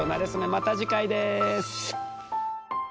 また次回です。